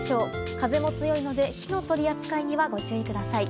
風も強いので火の取り扱いにはご注意ください。